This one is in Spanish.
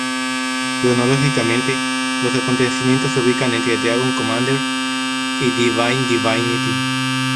Cronológicamente los acontecimientos se ubican entre "Dragon Commander" y "Divine Divinity".